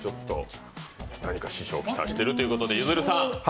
何か支障を来しているということです。